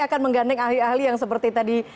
akan menggandeng ahli ahli yang seperti tadi